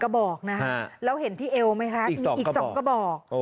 กระบอกนะฮะแล้วเห็นที่เอวไหมคะมีอีก๒กระบอก